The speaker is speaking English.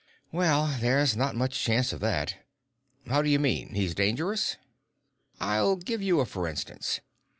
"Well, there's not much chance of that. How do you mean, he's dangerous?" "I'll give you a f'rinstance.